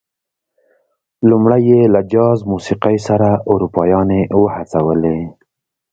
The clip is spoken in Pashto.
لومړی یې له جاز موسيقۍ سره اروپايانې وهڅولې.